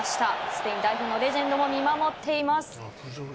スペイン代表のレジェンドも見守っています。